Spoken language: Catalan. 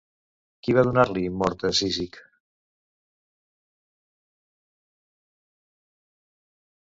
Qui va donar-li mort a Cízic?